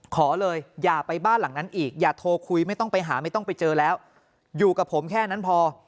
ขอเลยอย่าไปบ้านหลังนั้นอีกอย่าโทรคุยไม่ต้องไปหาไม่ต้องไปเจอแล้วอยู่กับผมแค่นั้นพอ